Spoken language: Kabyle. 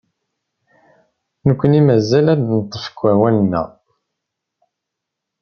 Nekni mazal ad neṭṭef deg awal-nneɣ.